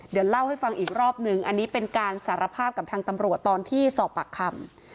เดี๋ยวเล่าให้ฟังอีกรอบนึงอันนี้เป็นการสารภาพกับทางตำรวจตอนที่สอบปากคำ